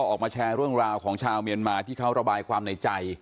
ออกมาแชร์เรื่องราวของชาวเมียนมาที่เขาระบายความในใจ